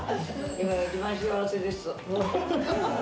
今が一番幸せです。